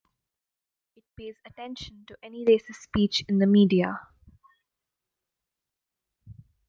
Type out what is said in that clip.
It pays attention to any racist speech in the media.